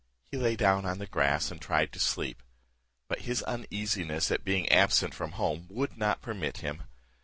He lay down on the grass and tried to sleep; but his uneasiness at being absent from home would not permit him.